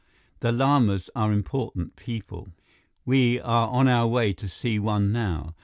The Lamas are important people. We are on our way to see one now.